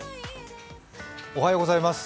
おはようございます。